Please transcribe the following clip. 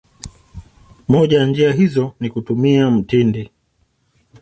Moja ya njia hizo ni kutumia mtindi